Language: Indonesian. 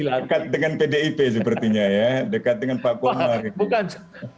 pak paulus ini dekat dengan pdip sepertinya ya dekat dengan pak komar